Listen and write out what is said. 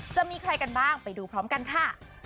จะมีใครกันบ้างไปดูพร้อมกันค่ะ